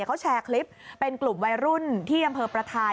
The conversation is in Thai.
เขาแชร์คลิปเป็นกลุ่มวัยรุ่นที่อำเภอประทาย